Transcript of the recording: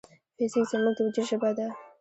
فزیک زموږ د وجود ژبه ده.